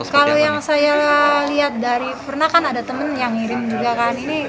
kalau yang saya lihat dari pernah kan ada temen yang ngirim juga kan